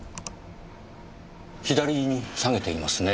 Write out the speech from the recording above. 左に提げていますね。